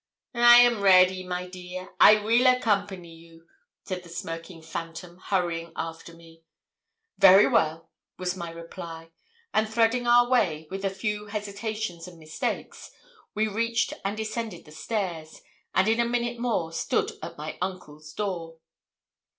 'I am ready, my dear; I weel accompany you,' said the smirking phantom, hurrying after me. 'Very well,' was my reply; and threading our way, with a few hesitations and mistakes, we reached and descended the stairs, and in a minute more stood at my uncle's door.